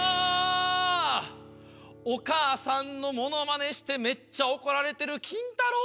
お母さんのモノマネしてめっちゃ怒られてるキンタロー。